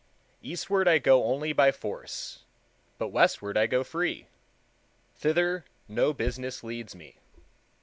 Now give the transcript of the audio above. Eastward I go only by force; but westward I go free. Thither no business leads me.